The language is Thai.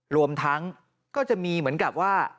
รวมทั้งก็จะมีเหมือนกับว่า